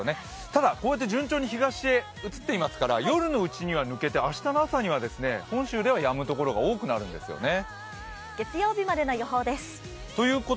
ただ、順調に東へ移っていますから夜のうちには抜けて明日の朝には本州ではやむ所が多くなるんですよね。